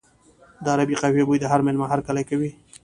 د عربي قهوې بوی د هر مېلمه هرکلی کوي.